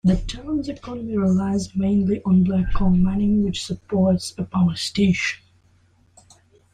The town's economy relies mainly on black coal mining, which supports a power station.